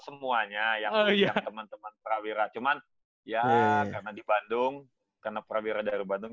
semuanya yang teman teman prawira cuman ya karena di bandung karena prawira dari bandung